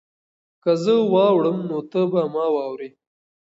که زه واوړم نو ته به ما واورې؟